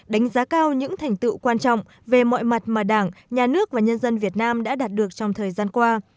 đánh giá cao những thành tựu quan trọng về mọi mặt mà đảng nhà nước và nhân dân việt nam đã đạt được trong thời gian qua